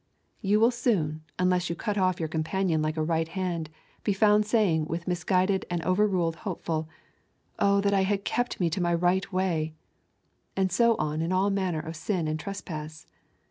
You will soon, unless you cut off your companion like a right hand, be found saying with misguided and overruled Hopeful: Oh that I had kept me to my right way! And so on in all manner of sin and trespass.